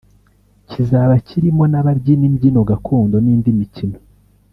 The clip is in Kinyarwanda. kizaba kirimo n’ababyina imbyino gakondo n’indi mikino